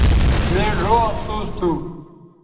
مے ڙھؤ افسوس تھو